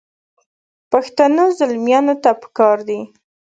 پښتنو زلمیانو ته پکار دي.